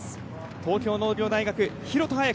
東京農業大学、廣田彩香。